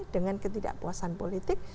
dengan ketidakpuasan politik